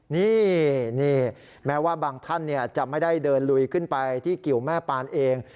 นี่แม้ว่าบางท่านจะไม่ได้เดินลุยขึ้นไปที่กิวแม่ปานเอง